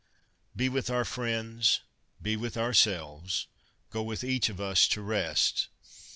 S. ' Be with our friends, be with ourselves. Go with each of us to rest.